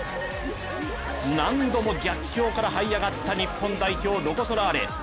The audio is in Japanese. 何度も逆境からはい上がった日本代表、ロコ・ソラーレ。